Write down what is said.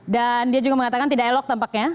dan dia juga mengatakan tidak elok tampaknya